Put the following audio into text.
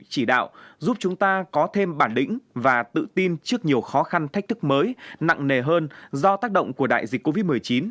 chỉ đạo giúp chúng ta có thêm bản lĩnh và tự tin trước nhiều khó khăn thách thức mới nặng nề hơn do tác động của đại dịch covid một mươi chín